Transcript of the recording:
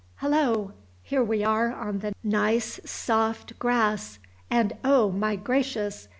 "Hullo! here we are on the nice soft grass! and, oh, my gracious!